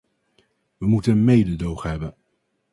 We moeten mededogen hebben.